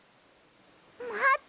まって！